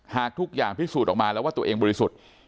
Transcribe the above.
หากทุกอย่างพิสูจน์ออกมาแล้วว่าตัวเองบริสุทธิ์